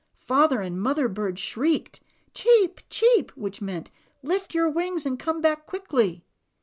Father and Mother Bird shrieked, ^^cheep, cheep," which meant, ^^Lift your wings and come back quickly."